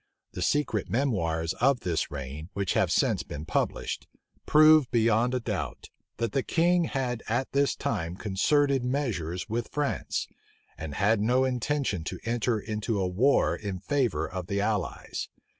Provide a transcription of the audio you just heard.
The secret memoirs of this reign, which have since been published,[*] prove beyond a doubt, that the king had at this time concerted measures with France, and had no intention to enter into a war in favor of the allies.